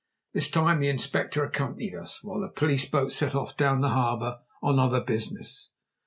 This time the Inspector accompanied us, while the police boat set off down the harbour on other business.